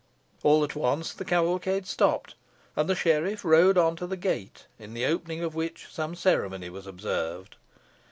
All at once the cavalcade stopped, and the sheriff rode on to the gate, in the opening of which some ceremony was observed.